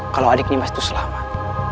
kalau adik nimas itu selamat